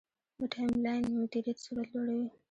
د ټایملاین مدیریت سرعت لوړوي.